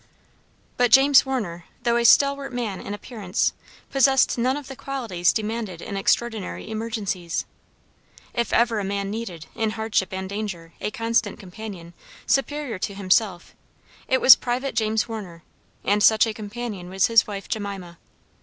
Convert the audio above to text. But James Warner, though a stalwart man in appearance, possessed none of the qualities demanded in extraordinary emergencies. If ever man needed, in hardship and danger, a constant companion, superior to himself, it was private James Warner, and such a companion was his wife Jemima.